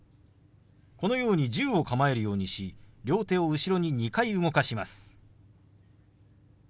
このように銃を構えるようにし両手を後ろに２回動かします。